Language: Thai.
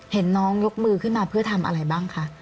เห็นน้องยกมือขึ้นมาเพื่อทำอะไรบ้างคะ